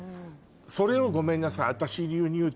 それをごめんなさい。